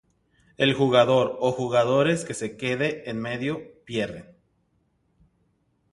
El jugador o jugadores que se queden en medio pierden.